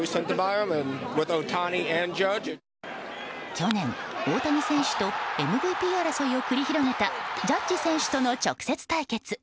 去年、大谷選手とＭＶＰ争いを繰り広げたジャッジ選手との直接対決。